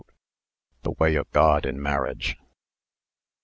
(The Way of God in Marriage.)